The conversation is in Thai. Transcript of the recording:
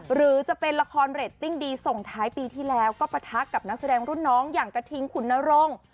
หรือจะเป็นละครเรตติ้งดีส่งท้ายปีที่แล้วก็ปะทะกับนักแสดงรุ่นน้องอย่างกระทิงขุนนรงค์